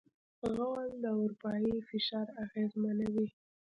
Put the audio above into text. غول د اروایي فشار اغېزمنوي.